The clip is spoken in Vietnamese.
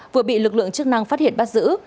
vừa bị lực lượng chức năng phát hiện bắt giữ